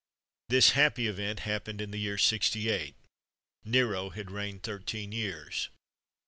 This happy event happened in the year 68. Nero had reigned thirteen years!